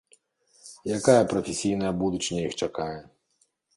Якая прафесійная будучыня іх чакае?